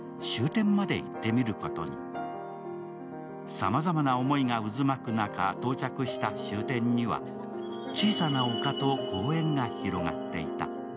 さまざまな思いが渦巻く中到着した終点には小さな丘と公園が広がっていた。